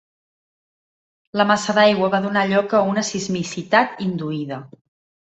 La massa d'aigua va donar lloc a una sismicitat induïda.